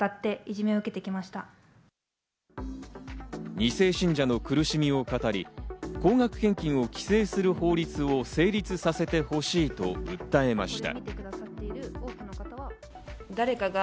２世信者の苦しみを語り、高額献金を規制する法律を成立させてほしいと訴えました。